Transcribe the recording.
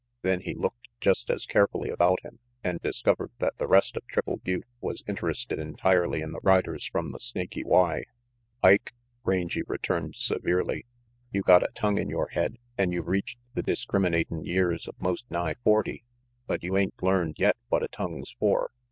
Then he looked just as carefully about him, and discovered that the rest of Triple Butte was interested entirely in the riders from the Snaky Y. "Ike," Rangy returned severely, "you got a tongue in your head, an' you reached the discrim inatin' years of most nigh forty, but you ain't learned yet what a tongue's for.